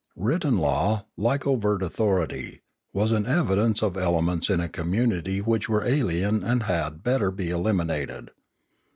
Written law, like overt authority, was an evidence of elements in a community which were alien and had better be eliminated.